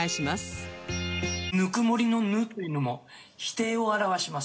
「ぬくもり」の「ぬ」というのも否定を表します。